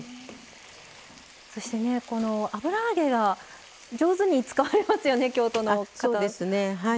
そして、油揚げが上手に使われますよね、京都の方。